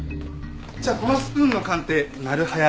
じゃあこのスプーンの鑑定なる早でお願いします。